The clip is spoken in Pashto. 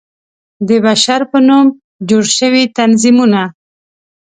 د بشر په نوم جوړ شوى تنظيمونه